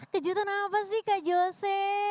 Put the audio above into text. kejutan apa sih kak jose